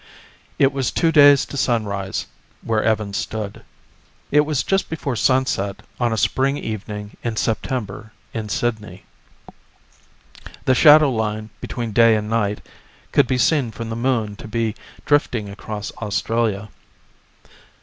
It was two days to sunrise, where Evans stood. It was just before sunset on a spring evening in September in Sydney. The shadow line between day and night could be seen from the Moon to be drifting across Australia.